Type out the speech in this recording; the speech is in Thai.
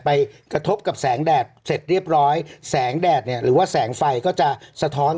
ไปกระทบกับแสงแดดเสร็จเรียบร้อยแสงแดดเนี่ยหรือว่าแสงไฟก็จะสะท้อน